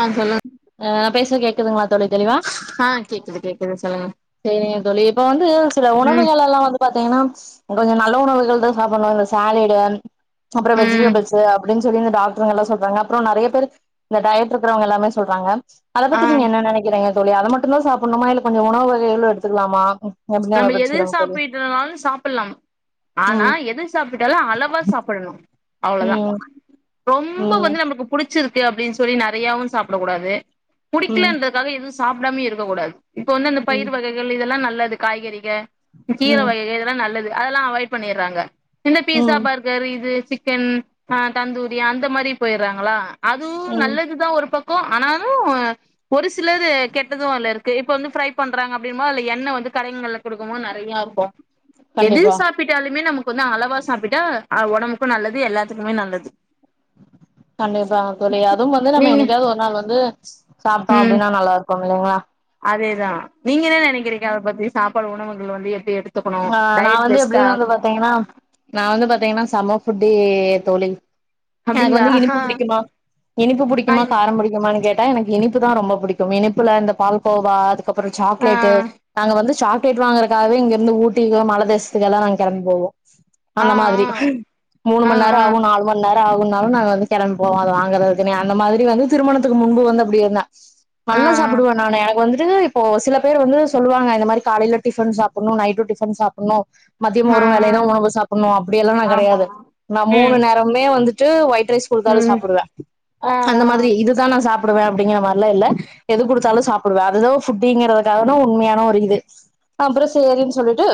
ஆஹ் சொல்லு பேசுற கேக்குதுங்களா தோழி தெளிவா ஆஹ் கேக்குது கேக்குது சொல்லுங்க சேரிங்க தோழி இப்ப வந்து சில ம் உணவுகள் எல்லாம் வந்து பாத்தீங்கன்னா கொஞ்சம் நல்ல உணவுகள் தான் சாப்புனும் இந்த சால்லிடு அப்புறம் ம் வெஜிடபிள்ஸ் அப்படின்னு தெரிஞ்ச டாக்டர்ங்க எல்லாம் சொல்றாங்க அப்புறம் நிறைய பேர் இந்த டயட் இருக்கிறவங்க எல்லாமே சொல்றாங்க அதை ஆ பத்திங்க நீங்க என்ன நினைக்கிறீங்க தோழி அதை மட்டும் இப்பலம் சாப்புணுமா இல்ல கொஞ்சம் உணவுகள் எவ்வுளோ எடுத்துக்கலாமா எப்டின்னு அத நம்ம பத்தி எது சொல்லுங்க தோழி சாப்பிட்டனாலும் சாப்பிடலாம் ஆனா ம் எது சாப்பிட்டாலும் அளவா சாப்பிடணும் அவ்ளவுதான் ம் ரொம்ப ம் வந்து நம்மளுக்கு புடிச்ச பிடிச்சிருக்கு அப்படின்னு சொல்லி நிறையாவும் சாப்பிட கூடாது புடிக்கல ம் இருந்ததுக்காக எது சாப்பிடாமே இருக்கூடாது இப்ப வந்து அந்த ம் பயிர் வகைகள் இதெல்லாம் நல்ல காய கறிக்க கீரை ம் வகைகள் இதெல்லாம் நல்லது அதெல்லாம் அவாய்ட் பண்ணிடுறாங்க இந்த பீசா ம் பர்கர் இது சிக் கன் ஆஹ் தந்தூரி அந்த மாரி போயிறாங்களா அதுவும் ம் நல்லதுதான் ஒரு பக் புடிக்கும் ஆனாலும் ஒரு சிலது கெட்டதும் அதுல இருக்கு இப்ப வந்து ஃப்ரை பண்றாங்க அப்டினமொது அது எண்ணெ வந்து கரைங்கள்ல குடுக்கமோது நிறைய இருக்கும் எது கண்டிப்பா சாப்பிட்டாலுமே நமக்கு கொஞ்சம் அளவா சாப்பிட்டா உடம்புக்கும் நல்லது எல்லாத்துக்குமே நல்லது கண்டிப்பா தோழி அதுவும் வந்து நம்ம நீங்க என்னைக்காவது ஒரு நாள் வந்து சாப்பிட்டோம் அப்படின்னா நல்லா இருக்கும் வெலிங்கிளா அதேதான் நீங்க என்ன நினைக்கிறீங்க அதை பத்தி சாப்பாடு உணவுகள் வந்து எப்படி எடு ஆஹ் நான் வந்து எப்படின்னு வந்து பாத்தீங்கன்னா நான் வந்து பாத்தீங்கன்னா சம புட் டிய தோழி எனக்கு அப்டிங்களா வந்து இனிப்பு புடிக்குமா இனிப்பு புடிக்குமா ஆய் காரம் புடிக்கும்மா கேட் எனக்கு இனிப்பு தான் ரொம்ப பிடிக்கும் இனிப்புல இந்த பால் கோவா அப்புறம் ஆ சாக்லேட்டு நாங்க வந்து சாக் கேட்டு வாங்குறத்துகாஇங்கிருந்து ஊட்டு ஊட்டிகே மழதேதசத்துக்கல்லாம் நாங்க கிழநம்பி போவோம் ஆ அந்த ஆ மாதிரி மூணு ஆ மணி நேரம் ஆகும் நாலு மணி நேரம் ஆகும் அருனாக்கா வந்து கிளம்ப போம் அது வாங்கறக்கு அந்த மாதிரி வந்து திருமணத்துக்கு முன்பு வந்து அப்படி இருந்து என்ன ஆ ஆ நல்லா சாப்பிடுவன் நானு எனக்கு வந்துட்டு இப்போ சில பேர் வந்து சொல்லுவாங்க இந்த மாரி காலையில டிஃபன் சாப்பிடணும் நைட்டும் டிபன் சாப்பிடணும் மத்தியம் ஆ ஆ ஒரு வேலதான் உணவு சாப்பிடணும் அப்படியெல்லாம் நான் ஆமா கிடையாது நான் மூணு ம் நேரமே வந்துட்டு ட்டு ஓய்ட் ஃரைஸ் கொடுத்தாலும் ம் சாப்பிடுவேன் ஆ அந்த மாரி இதுதான் நான் சாப்பிட சாப்படுவேன் அப்படிங்கிற மாரிலாம் இல்ல எது கொடுத்தாலும் சாப்பிடுவேன் அது ஃப்புட்டி இருக்கறதான உண்மையான ஒரு இது அப்பறம் சரின்னு சொல்லிட்டு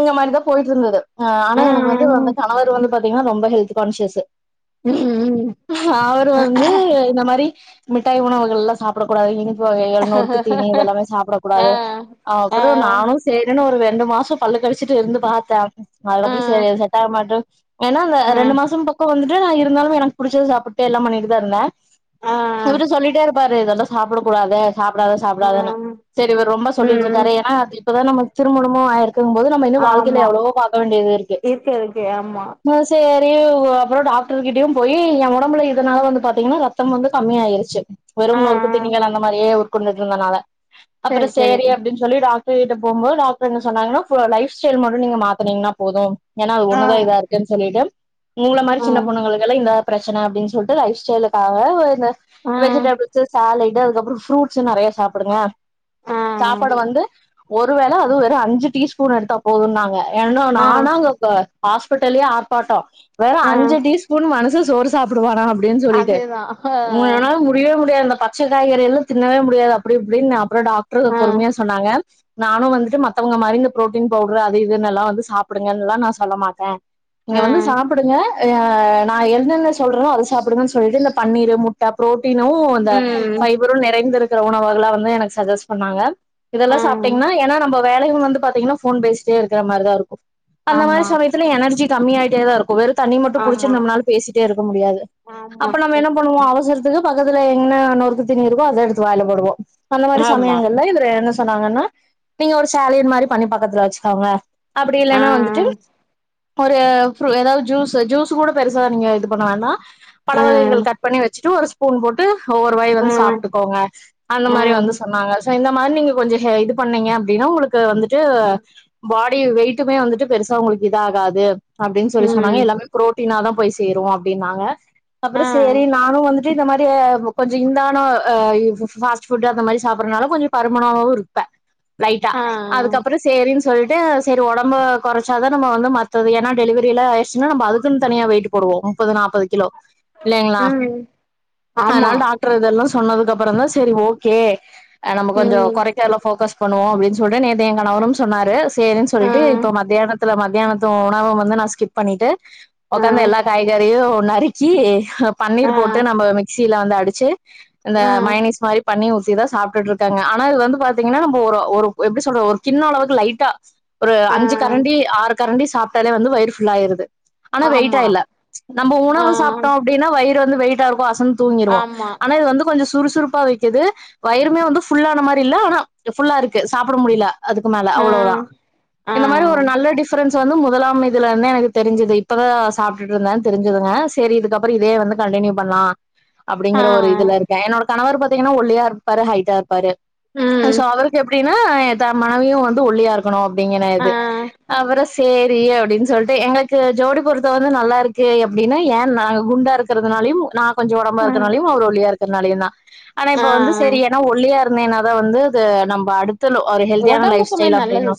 இந்த மாரிதான் போயிட்டு இருந்தது ஆஹ் ஆனா ஆ ஆ எனக்கு வந்து வந்த கணவர் வந்து பாத்தீங்கன்னா ரொம்ப ஹெல்த் கான்சியஸ் ம் ம் அவரு ஆ வந்து இந்த மாரி மிட்டாய் உணவுகள் எல்லாமா சாப்பிடக்க கூடாது வகைகள் ஆ நொறுக்கு தீனி இதெல்லாமே சாப்பிடக்க கூடாது ஆ ஆ அப்பறம் நானும் செய்றேன்னு ஒரு ரெண்டு மாசம் பல்லு கடுச்சுட்டு இருந்து பார்த்தேன் ஆ அதுக்கப்பறம் சேரி செட்ட ஆ மாட்டோம் ஏன்னா அந்த ரெண்டு மாசும் பக்கம் வந்து நா இருந்தாலும் எனக்கு புடிச்சது எல்லாம் சாப்பிட்டு எல்ல பண்ணிட்டுதான் இருந்தேன் ஆ இவரு சோல்லிட்டேஇ இருப்பாரு இதெல்லாம் சாப்பிடக் கூடாது சாப்பிடாத சாப்பிடாததுன்னு சேரி இவர் ரொம்ப சொல்லிட்டு ம் இருக்காரு ஏன்னா அது இப்பதான் நம் திருமணம் மூவாயிரம் இருக்கும் போது நம்ம இன்னும் வாழ்க்கையில ஆமா ஆமா எவ்வளவோ பார்க்க வேண்டியது இருக்கு ஆ அத அப்புறம் டாக்டர் கிட்டயும் போய் என் உடம்புல இதனால வந்து பாத்தீங்கன்னா ரத்தம் வந்து கம்மிய ஆயிச்சு ஆ வெறும் நேருக்கு திணிகள் அந்த மாரியே உட்கொண்டுட்டு இருந்தனால அப்புறம் சரி அப்படின்னு சொல்லி டாக்ட டாக்டர்கட்ட போகும் போது சொன்னாங்கன்னா லைப் ஸ்டைல் மட்டும் நீங்க மாத்தனீங்கன்னா போதும் ஏன்னா அது ஆ ஒண்ணுதான் இதா இருக்குன்னு சொல்லிட்டு உங்கள மாரி ஆ சின்ன பொண்ணுங்களுக்குல்லாம் இந்த பிரச்சனை அப்படின்னு சொல்லிட்டு லைஃப் ஸ்டைலுக்காக ஆ வெஜிட்டேபல் சாபில் அதுப்புறம் ஃப்ரட்ஸ் நிறைய சாப்பிடுங்க ஆ சாப்பாடு வந்து ஒரு வேலை அதுவும் ஒரு அஞ்சு டீ ஸ்பூன் எடுத்தா போதும்ன்னாங்க என்னா ஆ நானா அங்க ஹாஸ்பிட்டல்லேயே ஆர்ப்பாட்டம் வேற ஆ அஞ்சு டீஸ்பூன் மனசு சோர் சாப்படுவானா அப்படின்னு சொல்லிடே அதேதா ஆ உங்க எவன்னாலும் முடியவே முடியாதுடா பச்சை காய்கறி எல்லாம் தின்னவே முடியாது அப்டி இப்டின்னு அப்புறம் டாக்டர் ஆ பொறுமையா சொன்னாங்க நானும் வந்துட்டு மத் மத்தவுங்க மாதிரி இந்த ப்ரோட்டீன் பவுடர் அது இதுன்ன எல்லாம் வந்து சாப்பிடுங்கன்னு எல்லா நான் சொல்ல மாட்டேன் நீங்க ஆ வந்து சாப்பிடுங்க நான் என்னென்ன சொல்றோ அதை சாப்படுங்கன்ன சொல்லிட்டு இந்த பன்னீர் முட்டை ப்ரோ புரோட்டினம் அந்த ம் பைபரும் நிறைந்த இருக்கு உணவுவெள்ளாம் வந்து எனக்கு சஜெஸ்ட் பண்ணாங்க ஆ இதெல்லாம் சாப்பிட்டீங்கன்னா ஏன்னா நம்ம வேலைையும் வந்து பாத்தீங்கன்னா போன் பேசிட்டே இருக்கற மாதிரிதான் இருக்கும் அந்த மாரி ஆமா சமயத்துல எனர்ஜி கம்மி ஆயிட்டேதா இருக்கும் வெறும் தண்ணிய மட்டும் ஆமா குடிச்சுட்டு நம்மளால பேசிட்டே இருக்க முடியாது ஆமா அப்ப நம்ம என்ன கரெக்ட்டு பண்ணுவோம் அவசரத்துக்கு ப பக்கத்துல என்ன நொறுக்கு தீனி இருக்கோ அதை எடுத்து வாயில போடுவோம் அந்த மாதிரி ஆமா சமயங்கல்ல இவரு சொன்னாங்கன்னா நீங்க ஒரு சேலையர் மாதிரி பண்ணி பக்கத்துல வச்சுக்கோங்க அப்படி ஆ இல்லன்னா வந்துட்டு ஒரு ஏதாவது ஜூஸ் ஜூஸ் கூட பெருச நீங்க இது பண்ண வேன்னா பழ ஆ ஆ வகைகள் கட் பண்ணி வச்சுட்டு ஒரு ஸ்பூன் போட்டு ஒவ்வொரு வாய் வந்து சாப்டுக்கோங்க அந்த மாதிரி ஆ வந்து சொன்னாங்க இந்த மாதிரி நீங்க கொஞ்சம் இது பண்ணீங்க அப்படின்னா உங்களுக்கு வந்துட்டு பாட் டி வெயிட்டுமே வந்துட்டு பெருசா உங்களுக்கு இது ஆகாது அப்டின்னு சொல்லி சொன்னாங்க ம் எல்லாமே குரோத் குடுத்தினா தான் போய் சேருவோம் அப்படின்னாங்க ஆ அப்புறம் சேரி நானும் வந்து இந்த மாதிரி கொஞ்சம் இந்தான ஃபாஸ்ட்ஃபுட் அந்த மாதிரி சாப்பறதுனால கொஞ்சம் பருமணாவும் இருப்பேன் லைட்டா ஆ அதுக்கப்புறம் சேரின்னு சொல்லி டு செரி உடம்பு குறைச்சாதான் நம்ம வந்து மத்தது ஏன்னா டெலிவரியில ஆயிடுச்சுன்னா நம்ம அதுக்குனு தனியா வெயிட் போடுவோம் முப்பது நாப்பது கிலோ இல்லைங்களா ம் ஆமா அதனால டாக்டர் இதெல்லாம் சொன்னதுக்குப்புறம் தான் செரி ஓ கே நம்ம கொஞ்சம் ம் குறைக்க எல்லாம் ஃபோகஸ் பண்ணுவோம் அப்படின்னு சொல்லிட்டு நேத்து என் கணவரும் சொன்னாரு சேரின்னு ஆ சொல்லிட்டு இப்ப மத்தியானத்துல மத்தியானத் உணவு வந்து நான் ஸ்கிப் பண்ணிட்டு ஆ உக்காந்து எல்லா காய்கறியும் நறுக்கி பன்னீர் போட்டு ஆ நம்ம மிக்சியில வந்து அடிச்சு இந்த ஆ மைனீஸ் மாரி பண்ணி இதான் சாப்பிட்டு இருக்காங்க ஆன இது வந்து பாத்தீங்கன்னா ஒரு ஒரு எப்படி சொல்றது ஒரு கின்ன அளவுக்கு லைட்டா ஒரு ஆ அஞ்சு கரண்டி ஆறு கரண்டி சாப் டாலே வந்து வயிரு ஃபுல் ஆயிருது ஆனா வெயிட்டா ஆமா இல்ல நம்ம ஆ உணவு சாப்பிட்டோம் அப்படின்னா வயிற் வந்து வெயிட்டா இருக்கும் தூங்கிடுவோம் ஆமா ஆனா வந்து கொஞ்சம் சுறுசுறுப்பு வைக்கிது வயருமே வந்து ஃபுல்லான மாதிரி இல்ல ஆனா ஃபுல்லா இருக்கு சாப்பிட முடியல அதுக்கு மேல ஆ அவ்ளோவுதான் ஆ இந்த மாரி ஒரு நல்ல டிஃபரெண்ட் வந்து முதலாம் இதுல இருந்து எனக்கு தெரிஞ்சது இப்பதான் சாப்பிட்டுட்டு இருந்தது தெரிஞ்சதுங்க செரி இதுக்கப்புறம் இதே வந்து கண்டினியூ பண்ணலாம் ஆ அப்படிங்ககற ஒரு இதுல இருக்கேன் என்னோட கணவர் பாத் தீங்கன்னா ஒள்ளியா இருப்பாரு ஹைட்டா இருப்பாரு ம் சோ அவுருக்கு எப்படி னு மனைவியும் வந்து ஒல்லியா இருக்கணும் டிங்கிற இது ஆ அப்புறம் செ ரி அப்படின்னு சொல்லிட்டு எங்களுக்கு ஜோடி பொறுத்தம் வந்து நல்லா இருக்கு அப்படின்னு ஏன் நான் குண்டா இருக்கிறதுனாலையும் நான் கொஞ்சம் உடம்ப இருக்கனாலையும் அவர் ஒல்லியா இருக் திறனாளியனா ஆனா ஆ இப்ப வந்து சேரி ஏன்னா ஒல்லிய இருந்தேன்ன தான் வந்து நம்ப அடுத் உடம்புகுமே நல்லது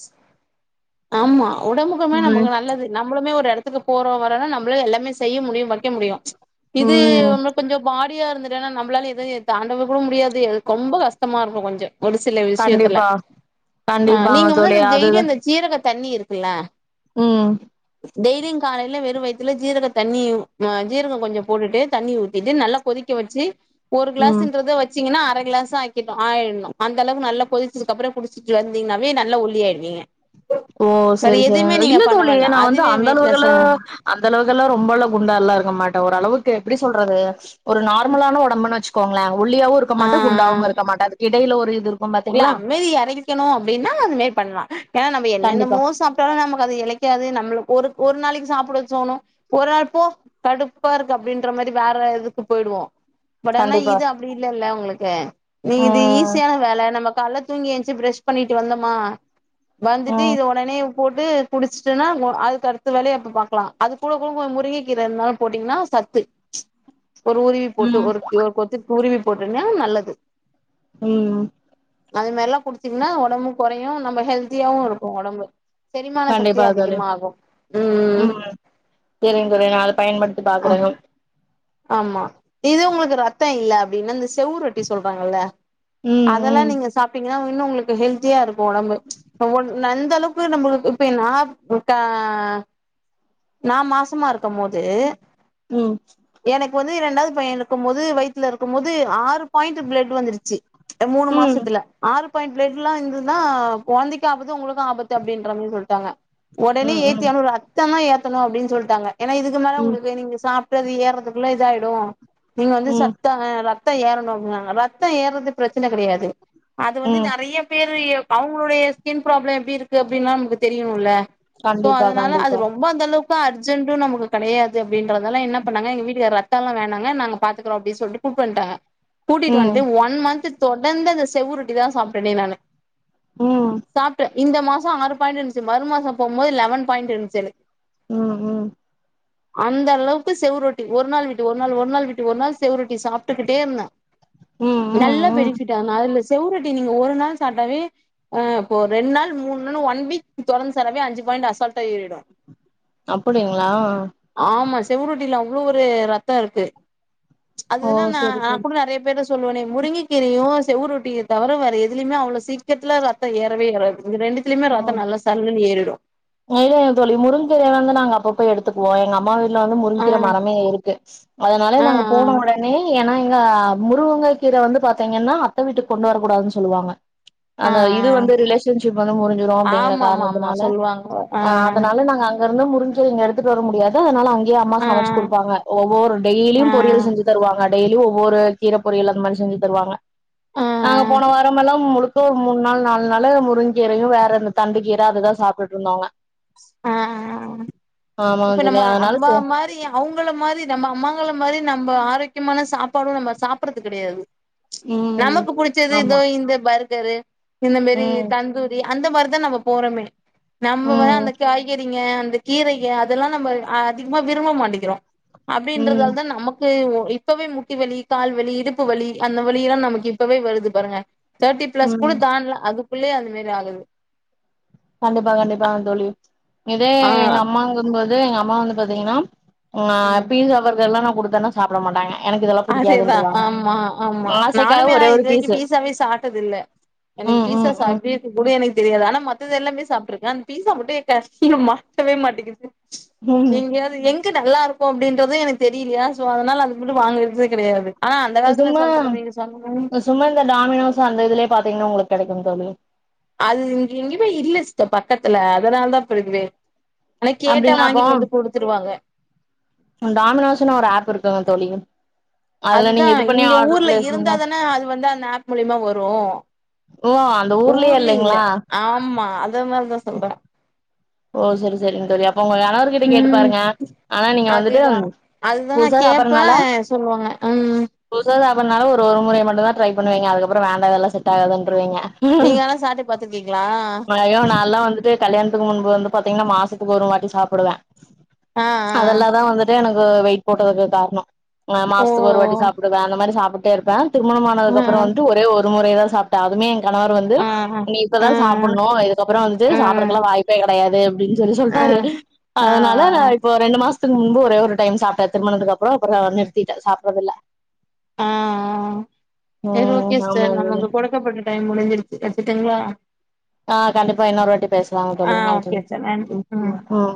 ஆமா உடம்புகுமே ம் நமக்கு நல்லதுன நம்மளுமே இத்துக்கு போறோ வரன்னா நம்மள எல்லாமே செய்ய முடியும் வைக்க முடியும் இது ம் நம்ப கொஞ்ச பாடி யா இருன்னா நம்மளால எதவும் தாண்ட கூட முடியாது ரொம்ப கஷ்டமா இருக்கும் கொஞ்ச ஒரு சில விஷயத்துல கண்டிப்பா ஆஹ் கண்டிப்பாங்க நீங்க வந்து தோழி அந்த ஜெயிலி அதுதா அந்த சீரக தண்ணி இருக்குல்ல ம் டெய்லியும் காலையில வெறும் வயிறத்துல ஜீரக தண்ணியும் ஜீரகம் கொஞ்சம் போட்டுட்டு தண்ணி ஊத்திட்டு நல்லா கொதிக்க வச்சு ஒரு ம் கிளாஸ்ன்றத வச்சு வச்சிங்கன அரை கிளாஸ் ஆக்கிடு ஆயிடும் அந்தளவுக்கு நல்ல கொ திச்சது அப்பறம் குடிச் ட்டு வந்தீங்கன்னாவே நல்லா ஒளியிடுவீங்க ஓ சேரி சேரி இல்ல தோழி வேண்டா நான் வந்து அதுவே அந்தளவுகல வெயிட்லெஸ்ஸா அந்த அளவுகல்லாம் ரொம்பல்ல குண்டா எல்லாம் இருக்க மாட்டேன் ஓரளவுக் எப்படி சொல்றது ஒரு நார்மலான உடம்பு வச்சு போங்களா ஒள்ளியாவும் இருக்க ஆ மாட்ட குண்டாவவும் இருக்க மாட்ட அது கேட்டு எடையில ஒரு இது இருக்கும் இல்ல பாத்தீங்களா அமைதி இறக்கணும் அப்படின்னா அது மாரி பண்ணலாம் ஏன்னா நம்ப கண்டிப்பா என்னென்னமோம் சாப்பிட்டாலும் நமக்கு இழைக்காது நம்ப ஒரு ஒரு நாளைக்கு சாப்பிட வச்சோணும் ஒரு நாள் போ கடுப்பா இருக்கு அப்படின்ற மாரி வேற இதுக்கு போயிடுவோம் பட் ஆனா கண்டிப்பா இது அப்படி இல்லல்ல உங்களுக்கு க்க நீங்க இது ம் ஈஸியான வேல நம்ம காலைல தூங்கிச்சு பிரஷ் பண்ணிட்டு வந்தோமா வந்துட்டு ம் இது உடனே போட்டு குடிச்சுட்டுன்னா அதுக்கு அடுத்த வேலையை அப்ப பாக்கலாம் அது கூட கூட கொஞ்ச முருங்கைக் கீரை இருந்தாலும் போட்டீங்கன்னா சத்து ஒரு உருவி போட்டு ம் ஒரு ஒரு கொத்து உருவி போட்டனா நல்லது உம் அது மாதிரலாம் குடுத்தீங்கன்னா உடம்பு குறையும் நம்ம ஹெல்தியாவும் இருக்கும் உடம்பு கண்டிப்பா அதால உம் தெரியு தெரியு ஆ ஆமா இது உங்களுக்கு ரத்தம் இல்ல அப்டி அப்படின்னா இந்த சுவரொட்டி சொல்றாங்கல்ல ம் அதெல்லாம் ம் நீங்க சாப்பிடிங் இன்னும் உங்களுக்கு ஹெல்தியா இருக்கும் உடம்பு அந்த அளவுக்கு நம்மளுக்கு இப்ப நா ஆஆ நான் மாசமா இருக்கும் போது உம் எனக்கு வந்து இரண்டாவது பையன் இருக்கும் போது வயித்ல இருக்கும் போது ஆறு பாயிண்ட் பிளட் வந்துடுச்சு மூணு ம் மாசத்துல ஆறு மூணு பாயிண்ட் ப்ளட் இருந்ததுன்னா கொழந்தைக்கும் ஆபத்து உங்களுக்கும் ஆபத்து அப்படின்ற மாரி சொல்லிட்டாங்க உடனே ம் ம் ஏத்தியானும் ரத்தலா ஏத்த ரத்தம் ஏத்தணும் அப்படின்னு சொல்லிட்டாங்க ஏன்னா இதுக்கு மேல ம் உங்களுக்கு நீங்க சாப்பிட்டு இது ஏறதுக்குள்ள இதாயிடும் நீங்க வந்து ம் சத்தா ஹ ரத்தம் ஏறணும் ரத்தம் ஏறது பிரச்சன கிடையாது அது வந்து ம் நெறைய பேரு அவங்களுடைய ஸ்கின் ப்ராப்ளம் எப்படி இருக்கு அப்படின்னா நமக்கு தெரியணும் இல்ல சோ கண்டிப்பா அதனால கண்டிப்பா அது ரொம்ப அந்த அளவுக்கு இப்ப அர்ஜென்ட்னு நமக்கு கிடையாது அப்படின்றதனால என்ன பண்ணாங்க எங்க வீட்டு ரத்தல்லா வேணாங்க நாங்க பாத்துக்ரோம் அப்படின்னு சொல்லிட்டு கூப்பிட்டு வந்துட்டாங்க கூட்டிட்டு ம் வந்து ஒன் மந்த் தொடர்ந்து அந்த சுவரொட்டி தான் சாப்பிட்டேன் நானு ம் சாப்பிட்டேன் இந்த மாசம் ஆறு பாய்ண்டு இருந்துச்சு மறு மாசம் போகும்போது ஒன் பாயிண்ட் இருந்துச்சு உம் அந்த அளவுக்கு சுவரொட்டி ஒரு நாள் விட்டு ஒரு நாள் ஒரு நாள் விட்டு ஒரு நாள் சுவரொட்டி சாப்பிட்டுக்கிட்டே இருந்தேன் ம் நல்ல ம் பெனிஃபிட் ஆ அதுல சுவரொட்டி நீங்க ஒரு நாள் சாப்பிட்டாலே இப்ப ரெண்டு நாள் மூணு நாள் ஒன் வீக் தொடர்ந்து சாப்ட்டாலே அஞ்சு பாயிண்ட் அசால்ட ஏரிடும் அப்படிங்களா சுவரொட்டில அவ்வளவு ஒரு ரத்தம் இருக்கு ஓ அதுனா நா செரி நா செரி கூட நெறைய பேர் சொல்வனே முருங்கக் கீரயும் செவரொட்டியு தவிர வேற எதுலியுமே அவ்ளோ சீக் சீக்கறத்துல ரத்தோ ஏரவே ஏராது இது ரெண்டுத்துலயுமே ஆ ரத்தோ நல்ல சல்லுனு ஏறும் இல்ல இல்ல தோழி முருங்க கீரைய வந்து நாங்க அப்பப்ப எடுத்துக்குவோ எங்க அம்மா வந்து ஆ முருங்கீரை மரமே இருக்கு அதனால ஆ நாங்க போன ஒடனே ஏன்னா இங்க முருவங்கை கீரை வந்து பாத்தீங்கன்னா அத்தை வீட்டுக்கு கொண்டு வரக்கூடாதுனு சொல்லுவாங்க ஆ அந்த இது ஆ வந்து ரிலேஷன்ஷிப் வந்து முறிஞ்சிரு ஆ அப்டிங்கிற ஆமாமாமா காரணத்தினால சொல்லுவாங்க ஆ அதுனால நாங்க அங்க வந்து முடிஞ்சு இங்க எடுத்துட்டு வர முடியாது அதுனால அங் அம்மா ஆ சமைச்சு குடுப்பாங்க ஒவ்வொரு ஆ டெய்லியும் பொரியல் செஞ்சி தருவாங்க டெய்லி ஒவ்வொரு கீர பொரியல் அந்த மாரி செஞ்சி தருவாங்க ஆ நாங்க போன வாரமெல்லா முலுக் இப்ப ஒரு மூணு நாள் நால் நாளு முருங்கீரையும் வேற இந்த தண்டு கீர அதுதான் சாப்பி இருந்தாங்க ஹம் இப்ப தோழி நம்ம அதனால அம்மா சே மாரி அவுங்கள மாரி நம்ம அம்மாங்கல மாரி நம்ம ஆரோக் முக்கியமான சாப்பாடும் நம்ம சாப்புறது கிடையாது ம் நமக்கு புடிச்சது ஆமா இதோ இந்த பர் ங்கரு இந்த மேரி ம் தந்தூரி அந்த மாரி தா நம்ப போறமே நம்ம வ ம் அந்த காய்கறிங்க அந்த கீரைக அதெல்லா நம்ம அதிகமா விரும்ப மாட்டிங்கிறோம் ம் அப்பிடின்றதால தா நமக்கு இப்பவே முட்டி வலி கால் வலி இடுப்பு வலி அந்த வலியெல்லா நமக்கு இப்பவே வருது பாருங்க தேட்டி பிளஸ் கூட ம் தான்ட்ல அது புள்ளயும் அது மாரி ஆகுது கண்டிப்பா கண்டிப்பாக தோழி இதே ஆ எங்க அம்மாங்கங்கல் இதே எங்க அம்மா வந்து பாத்தீங்கனா ஆ ம் பீஸ்சா பர்கரெல்லா நா குடுத் தினம் சாப்புட மாட்டாங்க எனக்கு இதெல்லா அதே தா புடிக்காதுன்ருவாங்க ஆமா ஆமா ஆசைக்காக நானுமே ஆனா ஒரே ஒரு இது வரைக்கு பீஸு பீஸாவே சாப்டது இல்ல எனக்கு ம் பீஸா ம் ம் எப்பிடி இருக்கும் கூட எனக்கு தெரியாது ஆனா மத்தது எல்லாமே சாப் சாப்புடுருக்கே அந்த பீஸா மட்டும் ய கண்ணுல மாட்டவே மாட்டிங்குது ம் எங்கியாது எங் நல்லா இருக்கும் அப்படின்றதும் எனக்கு தெரியலயா சோ அதுனால அது மட்டும் வாங்கனது கிடையாது சும்மா சும்மா இந்த டாமினோஸ் அந்த இதுலயே பத்த அது இங்க உங்களுக்கு கிடைக்கும் தோழி அது இங்க எங்கேயுமே இல்ல சிஸ்டர் பக்கத்துல அதனால தான் இப்ப இதுவே ஆனா கேட்டா அப்டிங்களா வாங்கிட்டு வந்து கொடுத்துருவாங்க டாமினோஸ்ன்னு ஒரு ஆப் இருக்குங்க தோழி அதுல நீங்க அதுதான் இது பண்ணி இங்க ஆர்டர் ஊர்ல பிளேஸ் பண்ணா இருந்தாதனே அது வந்து அந்த ஆப் மூலியமா வரும் ஓ அந்த ஊர்லயே ஊர்ல இல்ல இல்லைங்களா ஆமா அத மாரிதான் சொல்றேன் ஓ சேரி சேரி இந்த உங்க கணவர் கிட்ட கேட்டு ம் பாருங்க ஆனா நீங்க வந்துட்டு அதேதா அதுதா நா புதுசா கேப்பே சாப்பறனால சொல்லுவாங்க ம் புதுசா பண்ணாலும் ஒரு ஒரு முறை மட்டும் தான் ட்ரை பண்ணுவீங்க அதுக்கப்புறம் வேண்டா இதெல்லாம் செட் ஆகாது நீங்க ஆனா சாப்ட்டு பாத்துருக்கீங்களா [unintelligible] உ வந்து பாத்தீங்கன்னா மாசத்துக்கு ஒரு வாட்டி சாப்பிடுவேன் ஆ ஆ அதெல்லாதான் வந்துட்டு எனக்கு வெயிட் போட்டதுக்கு காரணம் ஆ ஓ மாசத்துக்கு ஒரு வாட்டி சாப்பிடுவேன் அந்த மாரி சாப் கேஇருப்பே திருமணம் ஆ ஆனதுக் அப்புறம் வந்து ஒரே ஒரு முறை தான் சாப்பிட்ட அதுமே கணவர் வந்து ஆ நீ ஆ ஆ இப்பதான் சாப்பிடணும் இதுக்கப்புறம் வந்துட்டு ஆ சாப்புறதுகல்லாம் வாய்ப்பு பே கிடையாது அப்படின்னு சொல்லி ஆ சொல்லிட்டாரு ஆ ஆ அதனாலா இப்போ ரெண்டு மாசம் க்கு முன்பு ஒரே ஒரு டைம் சாப்பிட்டேன் திருமனதுக்கு அப்புறம் இப்ப நிறுத்திட்டேன் சாப்புறதுல்ல ஆஹ் சேரி ஓகே ம் ஆமா சிஸ்டர் தோழி நம்மளுக்கு கொடுக்கப்பட்ட டைம் முடிஞ்சிருச்சு தேங்களா ஆஹ் கண்டிப்பா இன்னருவாட்டி பேசுவாங்க ஆ தோழி நன்றி ஓகே சிஸ்டர் நன்றி ம் உம்